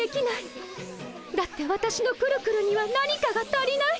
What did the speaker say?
だってわたしのくるくるには何かが足りない。